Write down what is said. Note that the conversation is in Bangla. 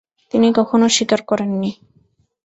তিনি কখনও স্বীকার করেননি।